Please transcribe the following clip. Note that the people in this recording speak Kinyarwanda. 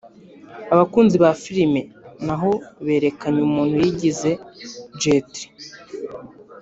abakunzi ba filime naho berekanye umuntu yigize Jetree